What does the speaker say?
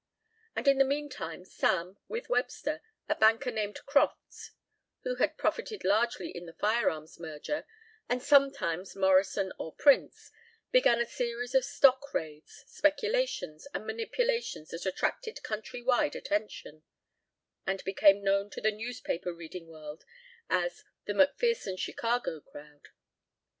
And in the meantime Sam, with Webster, a banker named Crofts who had profited largely in the firearms merger, and sometimes Morrison or Prince, began a series of stock raids, speculations, and manipulations that attracted country wide attention, and became known to the newspaper reading world as the McPherson Chicago crowd.